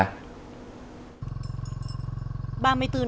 ba mươi bốn nạn nhân